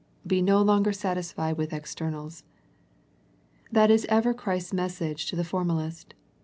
Be no longer satisfied with externals. That is ever Christ's message to the formal ist.